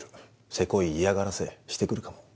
せこい嫌がらせしてくるかも。